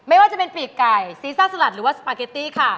ไม่ว่าจะเป็นปีกไก่ซีซ่าสลัดหรือว่าสปาเกตตี้ค่ะ